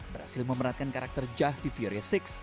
berhasil memeratkan karakter jah di fure enam